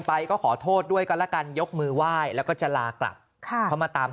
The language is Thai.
ไปก็ขอโทษด้วยกันแล้วกันยกมือไหว้แล้วก็จะลากลับค่ะเพราะมาตาม